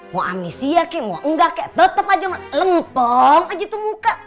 mau amnesia kek mau engga kek tetep aja lempong aja tuh muka